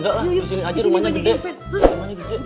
disini aja rumahnya gede